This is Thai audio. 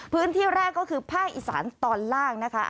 พื้นที่แรกก็คือภาคอีสานตอนล่างนะคะ